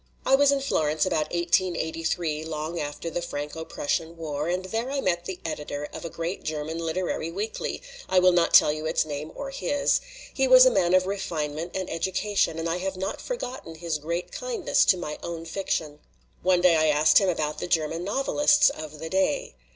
"I was in Florence about 1883, long after the Franco Prussian War, and there I met the editor of a great German literary weekly I will not tell you its name or his. He was a man of refinement and education, and I have not forgotten his great kindness to my own fiction. One day I asked him about the German novelists of the day.